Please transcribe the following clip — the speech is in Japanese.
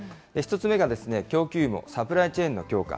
１つ目が供給網・サプライチェーンの強化。